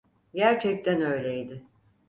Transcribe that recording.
Gerçekten öyleydi.